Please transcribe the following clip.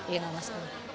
iya enggak mas